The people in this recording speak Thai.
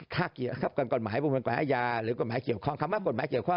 ถ้าเกี่ยวกับกฎหมายบุคคลกฎหมายอาญา